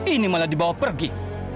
ini malah dibawa pergi